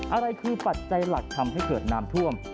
อะไรคือปัจจัยหลักทำให้เกิดน้ำท่วม